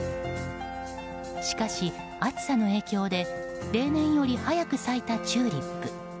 しかし暑さの影響で例年より早く咲いたチューリップ。